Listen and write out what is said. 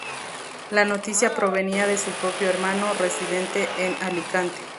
La noticia provenía de su propio hermano, residente en Alicante.